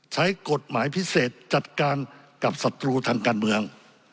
ใช้กฎหมายพิเศษจัดการกับศัตรูทางการเมือง